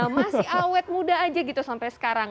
masih awet muda aja gitu sampai sekarang